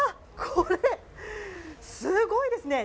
これすごいですね。